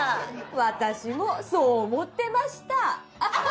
私もそう思ってました